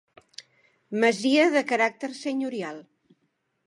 Masia de caràcter senyorial.